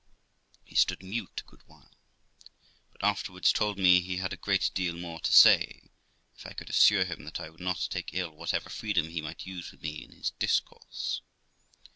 He stood mute a good while, but afterwards told me he had a great deal more to say if I could assure him that 1 would not take ill whatever freedom he might use with me in his discourse.